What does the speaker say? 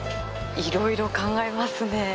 いろいろ考えますね。